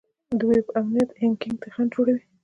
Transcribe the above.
د ویب امنیت هیکینګ ته خنډ جوړوي.